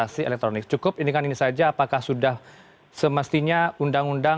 pengecualian tidak seluas luasnya